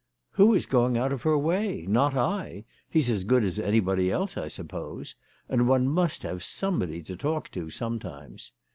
" "Who is going out of her way ? Not I. He's as good as anybody else, I suppose. And one must have somebody to talk to sometimes."